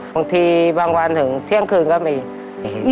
บางทีบางวันถึงเที่ยงคืนก็มี